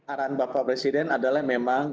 arahan bapak presiden adalah memang